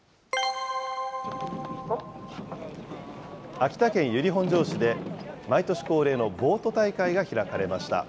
秋田県由利本荘市で毎年恒例のボート大会が開かれました。